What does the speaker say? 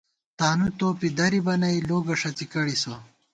تانُو توپی دریبَہ نئی لوگہ ݭڅی کڑیسہ